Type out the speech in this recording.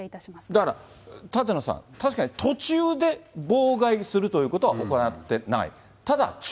だから、舘野さん、確かに途中で妨害するということは行ってない。